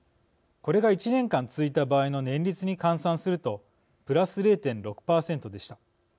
これが１年間続いた場合の年率に換算するとプラス０．６％でした。